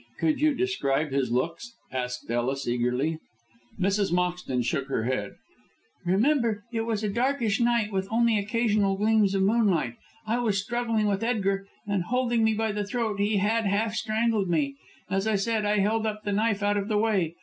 "Could you describe his looks?" asked Ellis, eagerly. Mrs. Moxton shook her head. "Remember it was a darkish night, with only occasional gleams of moonlight. I was struggling with Edgar, and, holding me by the throat, he had half strangled me. As I said, I held up the knife out of the way.